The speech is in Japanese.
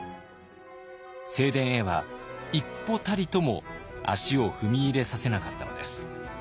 正殿へは一歩たりとも足を踏み入れさせなかったのです。